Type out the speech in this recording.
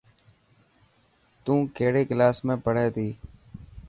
تون ڪهڙي ڪلاس ۾ پهڙي ٿي.